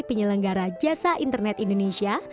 penyelenggara jasa internet indonesia